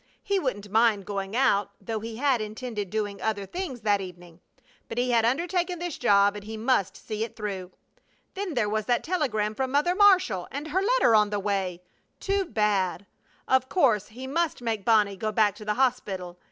He wouldn't mind going out, though he had intended doing other things that evening; but he had undertaken this job and he must see it through. Then there was that telegram from Mother Marshall! And her letter on the way! Too bad! Of course he must make Bonnie go back to the hospital.